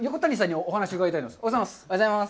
おはようございます。